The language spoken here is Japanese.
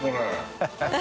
ハハハ